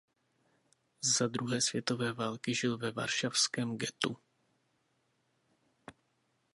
Za druhé světové války žil ve varšavském ghettu.